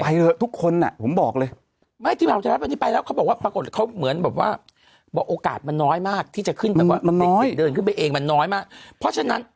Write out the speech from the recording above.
ทุกคนอ่ะผมบอกเลยไม่ทีมข่าวไทยรัฐวันนี้ไปแล้วเขาบอกว่าปรากฏเขาเหมือนแบบว่าบอกโอกาสมันน้อยมากที่จะขึ้นแบบว่ามันเดินขึ้นไปเองมันน้อยมากเพราะฉะนั้น